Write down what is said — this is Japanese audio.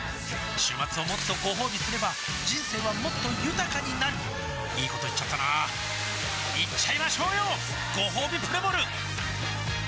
週末をもっとごほうびすれば人生はもっと豊かになるいいこと言っちゃったなーいっちゃいましょうよごほうびプレモル